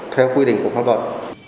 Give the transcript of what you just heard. theo quy định của pháp luật